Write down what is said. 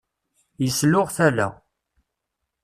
Yesluɣ tala.